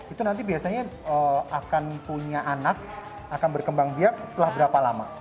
itu nanti biasanya akan punya anak akan berkembang biak setelah berapa lama